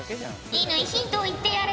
乾ヒントを言ってやれ。